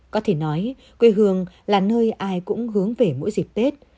có thể nói quê hương là nơi ai cũng hướng về mỗi dịp tết